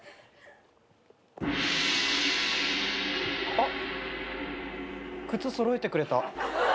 あっ靴揃えてくれた。